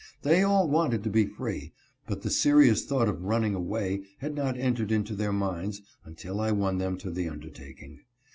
They all wanted to be free, but the serious thought of running away had not entered into their minds until I won them to the undertaking.